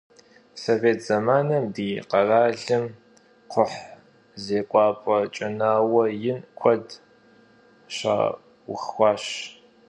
Sovêt zemanım di kheralım kxhuh zêk'uap'e, ç'enaue yin kued şauxuaş.